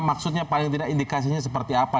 maksudnya paling tidak indikasinya seperti apa